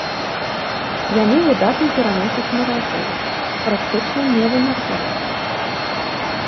Яны выдатна пераносяць маразы, практычна не вымярзаюць.